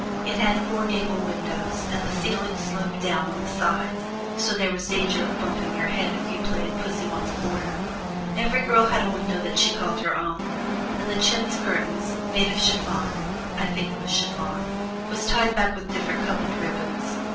It had four gable windows, and the ceiling sloped down on the sides, so there was danger of bumping your head if you played pussy wants a corner. Each girl had a window that she called her own, and the chintz curtains, made of chiffon (I think it was chiffon), were tied back with different colored ribbons.